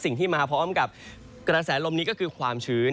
สิ่งที่มาพร้อมกับกระแสลมนี้ก็คือความชื้น